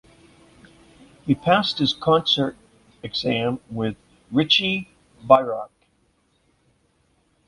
He passed his concert exam with Richie Beirach.